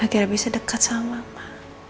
akhirnya bisa deket sama mama